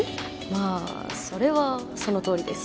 まあそれはそのとおりです